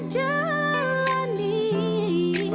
untuk kita bersama